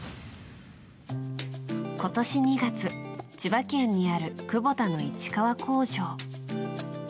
今年２月千葉県にあるクボタの市川工場。